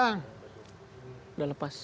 sudah lepas sih